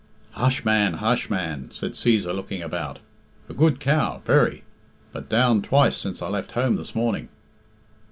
"Hush, man! hush, man!" said Cæsar, looking about. "A good cow, very; but down twice since I left home this morning."